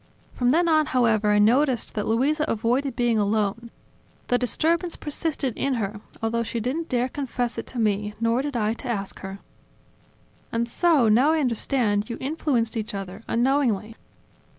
From then on, however, I noticed that Luisa avoided being alone; the disturbance persisted in her, although she didn't dare confess it to me, nor did I to ask her." "And so, now I understand, you influenced each other, unknowingly."